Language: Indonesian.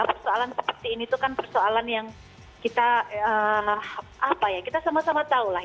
persoalan seperti ini itu kan persoalan yang kita sama sama tahu lah